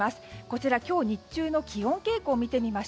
こちらは今日日中の気温傾向です。